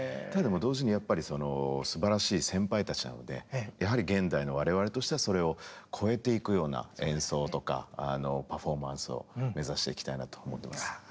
ただ同時にやっぱりすばらしい先輩たちなのでやはり現代の我々としてはそれを超えていくような演奏とかパフォーマンスを目指していきたいなと思ってます。